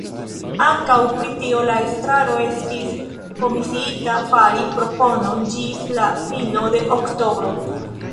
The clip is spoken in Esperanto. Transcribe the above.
Ankaŭ pri tio la Estraro estis komisiita fari proponon ĝis la fino de oktobro.